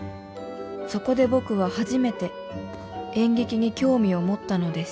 「そこで僕は初めて演劇に興味を持ったのです」